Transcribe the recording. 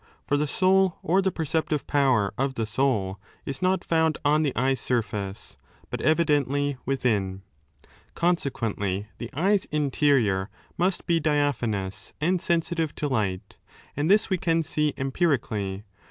For the soul or the perceptive power of the soul is not found on the eye's surface, but evidently 17 within. Consequently, the eye's interior must be diaphanous and sensitive to light. And this we can see empirically.